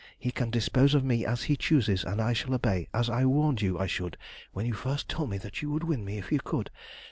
He can dispose of me as he chooses, and I shall obey, as I warned you I should when you first told me that you would win me if you could.